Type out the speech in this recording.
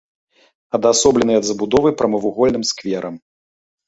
Адасоблены ад забудовы прамавугольным скверам.